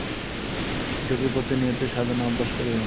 যোগী প্রতিনিয়তই সাধনা অভ্যাস করিবেন।